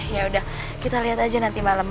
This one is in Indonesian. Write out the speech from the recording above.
ya udah kita liat aja nanti malem